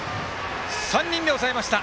３人で抑えました！